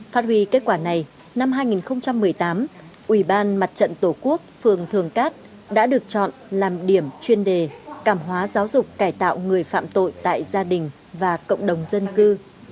phát huy kết quả này năm hai nghìn một mươi tám ủy ban mặt trận tổ quốc phường thường cát đã được chọn làm điểm chuyên đề cảm hóa giáo dục cải tạo người phạm tội tại gia đình và cộng đồng dân cư